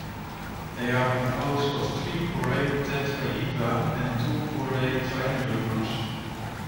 They are composed of three borate tetrahedra and two borate triangular groups.